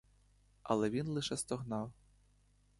Але він лише стогнав.